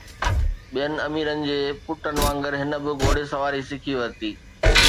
ٻين اميرن جي پٽن وانگر هن به گهوڙي سواري سکي ورتي